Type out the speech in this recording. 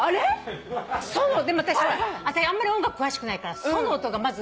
でもあたしあんまり音楽詳しくないからソの音がまず。